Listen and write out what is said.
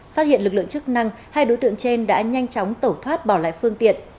phát hiện lực lượng chức năng hai đối tượng trên đã nhanh chóng tẩu thoát bỏ lại phương tiện